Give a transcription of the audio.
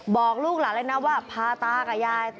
บอกลูกหลานเลยนะว่าพาตากับยาย